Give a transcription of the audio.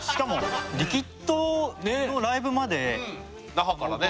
那覇からねえ。